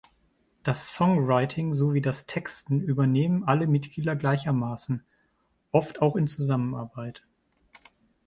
Das Songwriting sowie das Texten übernehmen alle Mitglieder gleichermaßen, oft auch in Zusammenarbeit.